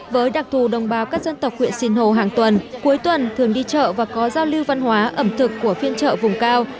với đặc thù đồng bào các dân tộc huyện sinh hồ hàng tuần cuối tuần thường đi chợ và có giao lưu văn hóa ẩm thực của phiên chợ vùng cao